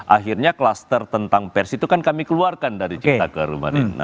akhirnya klaster tentang pers itu kan kami keluarkan dari cipta kartu